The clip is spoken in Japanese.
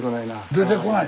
出てこない？